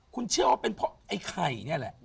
คุณเชื่อว่าเป็นเพราะไอ้ไข่นี่แหละ